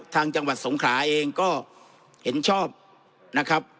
ทางจังหวัดสงขาเองก็เห็นชอบ